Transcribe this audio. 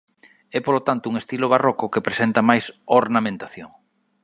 É polo tanto un estilo barroco que presenta máis ornamentación.